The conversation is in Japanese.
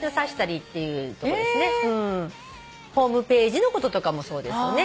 ホームページのこととかもそうですよね。